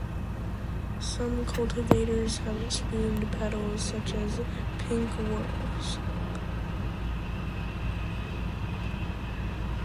Some cultivars have "spooned" petals such as "Pink Whirls".